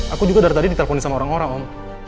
aku juga dari tadi ditelepon sama orang orang om